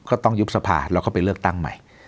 ก็ต้องยุบสภาแล้วก็ไปเลือกตั้งใหม่